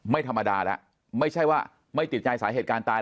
ไม่ธรรมดาแล้วไม่ใช่ว่าไม่ติดใจสาเหตุการณ์ตาย